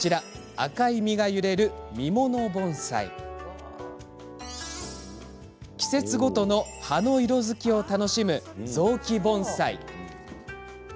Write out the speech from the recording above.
赤い実が揺れる、実もの盆栽季節ごとの葉の色づきを楽しむ雑木盆栽。